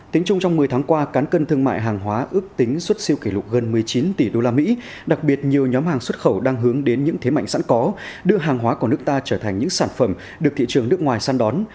tính chung trong một mươi tháng qua cán cân thương mại hàng hóa ước tính xuất siêu kỷ lục gần một mươi chín tỷ usd đặc biệt nhiều nhóm hàng xuất khẩu đang hướng đến những thế mạnh sẵn có đưa hàng hóa của nước ta trở thành những sản phẩm được thị trường nước ngoài săn đón